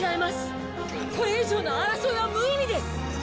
これ以上の争いは無意味です！